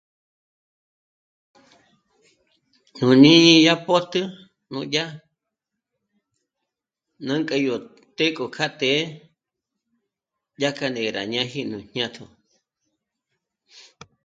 Yó ñî'i yá pö́jté núdyà nùnk'a dyà gó të́'ë k'o kja të́'ë dyà kja rá ñ'ê'e rá ñáhi nú jñátjo